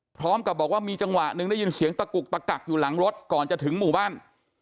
พร้อมกับบอกว่ามีจังหวะหนึ่งได้ยินเสียงตะกุกตะกักอยู่หลังรถก่อนจะถึงหมู่บ้าน